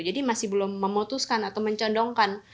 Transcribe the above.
masih belum memutuskan atau mencondongkan